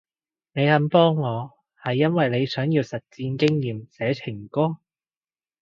你肯幫我係因為你想要實戰經驗寫情歌？